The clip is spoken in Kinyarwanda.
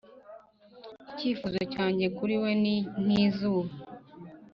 icyifuzo cyanjye kuri wewe ni nkizuba,